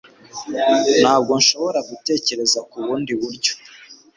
Ntabwo nshobora gutekereza kubundi buryo